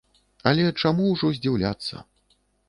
Але чаму ўжо здзіўляцца?